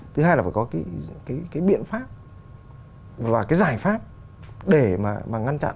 thứ hai là phải có cái biện pháp và cái giải pháp để mà ngăn chặn